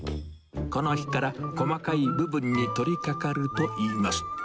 この日から、細かい部分に取りかかるといいます。